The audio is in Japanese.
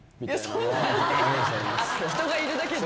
人がいるだけで？